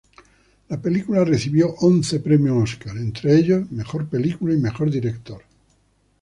La película recibió once premios Óscar, entre ellos mejor película y mejor director.